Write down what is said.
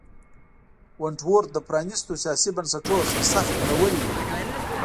ونټ ورت د پرانیستو سیاسي بنسټونو سرسخت پلوی و.